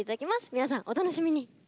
皆さん、お楽しみに。